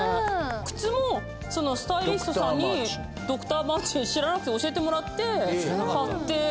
靴もそのスタイリストさんにドクターマーチン知らなくて教えてもらって買って。